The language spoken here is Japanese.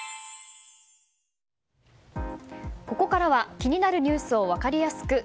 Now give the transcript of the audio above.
ここからは気になるニュースを分かりやすく。